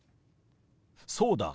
そうだ。